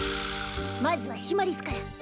まずはシマリスから。